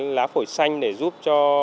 lá phổi xanh để giúp cho